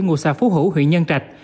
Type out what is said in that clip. ngụ xã phú hữu huyện nhân trạch